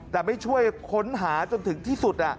แต่ไม่ช่วยค้นหาจนถึงที่สุด